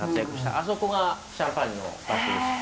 あそこがシャンパーニュの場所です。